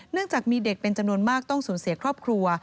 จากมีเด็กเป็นจำนวนมากต้องสูญเสียครอบครัว